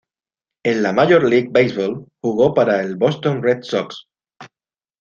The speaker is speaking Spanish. En la Major League Baseball, jugó para el Boston Red Sox.